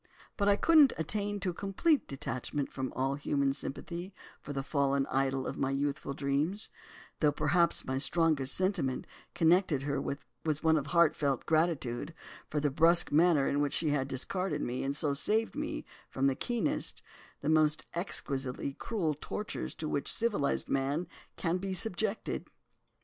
"But I couldn't attain to complete detachment from all human sympathy for the fallen idol of my youthful dreams, though perhaps my strongest sentiment connected with her was one of heartfelt gratitude for the brusque manner in which she had discarded me, and so saved me from the keenest—the most exquisitely cruel tortures to which the civilised man can be subjected.